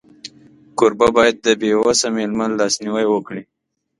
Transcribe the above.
کوربه باید د بېوسه مېلمه لاسنیوی وکړي.